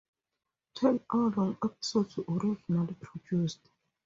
Ten hour-long episodes were originally produced.